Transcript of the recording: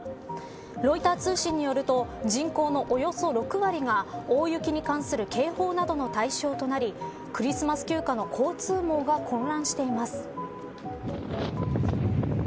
ロイター通信によると人口のおよそ６割が大雪に関する警報などの対象となりクリスマス休暇の交通網が混乱しています。